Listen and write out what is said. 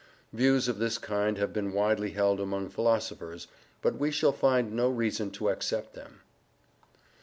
Views of this kind have been widely held among philosophers, but we shall find no reason to accept them.